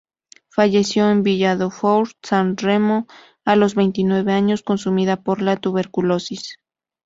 Falleció en Villa Dufour, San Remo, a los veintinueve años, consumida por la tuberculosis.